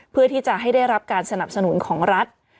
เพื่อที่จะให้ได้รับการสนับสนุนของรัฐ